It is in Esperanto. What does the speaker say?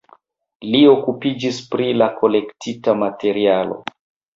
Li okupiĝis pri la kolektita materialo.